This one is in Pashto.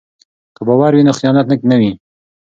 که باور وي نو خیانت نه وي.